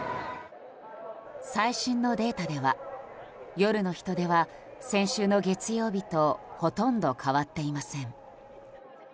最新のデータでは夜の人出は先週の月曜日とほとんど変わっていません。